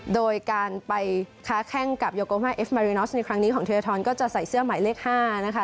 โดยการไปค้าแข้งกับโยโกมาเอฟมารินอสในครั้งนี้ของเทียทรก็จะใส่เสื้อหมายเลข๕นะคะ